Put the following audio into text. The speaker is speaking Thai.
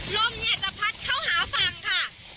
ลมเนี่ยจะพัดเข้าหาฝั่งค่ะ